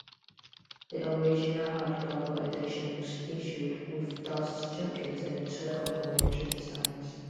The original hardcover edition was issued with dust jackets in two complementary designs.